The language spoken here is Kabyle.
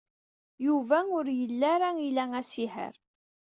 Yuba ur yelli ara ila asihaṛ.